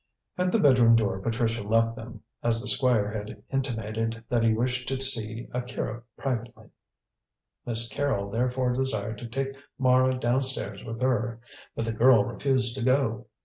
At the bedroom door Patricia left them, as the Squire had intimated that he wished to see Akira privately. Miss Carrol therefore desired to take Mara downstairs with her, but the girl refused to go.